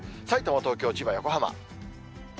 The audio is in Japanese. さいたま、東京、千葉、横浜。